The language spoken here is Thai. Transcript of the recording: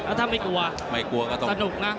แล้วถ้าไม่กลัวก็สนุกนะ